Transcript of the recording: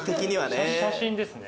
写真ですね。